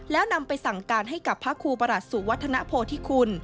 แล้วนำไปสั่งการให้กับพระครูประหลัดสุวัฒนโพธิคุณ